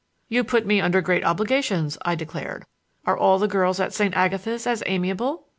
"You put me under great obligations," I declared. "Are all the girls at St. Agatha's as amiable?"